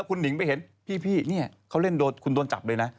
แล้วคุณลิงไปเห็นพี่เค้าเล่นโดดคุณก็โดนจับเลยนะ